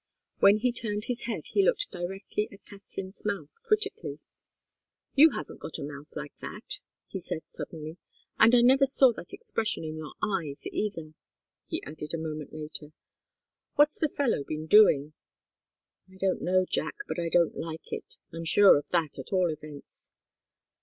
When he turned his head, he looked directly at Katharine's mouth critically. "You haven't got a mouth like that," he said, suddenly. "And I never saw that expression in your eyes, either," he added, a moment later. "What's the fellow been doing?" "I don't know, Jack. But I don't like it. I'm sure of that, at all events."